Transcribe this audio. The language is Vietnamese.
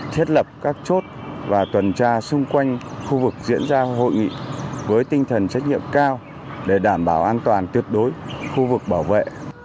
thiết lập các chốt và tuần tra xung quanh khu vực diễn ra hội nghị với tinh thần trách nhiệm cao để đảm bảo an toàn tuyệt đối khu vực bảo vệ